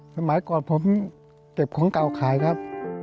สมัยก่อนผมเก็บของเก่าขายครับ